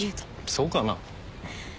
そうかな？